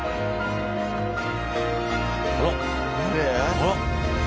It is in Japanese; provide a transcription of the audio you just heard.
あっ！